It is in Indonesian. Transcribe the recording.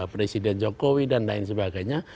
presiden jokowi dan lain sebagainya